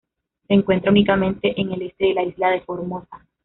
Se encuentra únicamente en el este de la isla de Formosa.